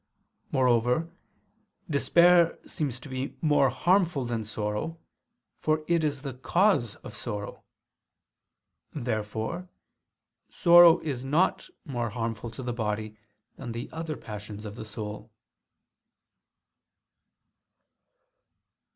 Moreover, despair seems to be more harmful than sorrow; for it is the cause of sorrow. Therefore sorrow is not more harmful to the body than the other passions of the soul.